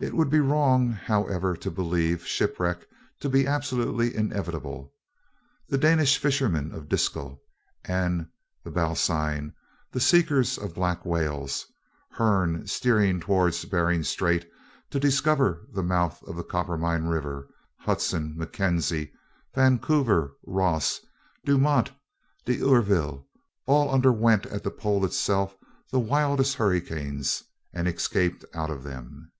It would be wrong, however, to believe shipwreck to be absolutely inevitable. The Danish fishermen of Disco and the Balesin; the seekers of black whales; Hearn steering towards Behring Strait, to discover the mouth of Coppermine River; Hudson, Mackenzie, Vancouver, Ross, Dumont D'Urville, all underwent at the Pole itself the wildest hurricanes, and escaped out of them.